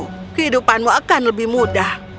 oh kehidupanmu akan lebih mudah